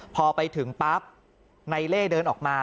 พอไปถึงปั๊บนายเล่เดินออกมา